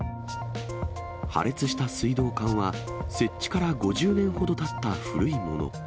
破裂した水道管は、設置から５０年ほどたった古いもの。